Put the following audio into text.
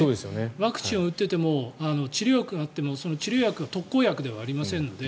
ワクチンを打っていても治療薬があっても、その治療薬は特効薬ではありませんので。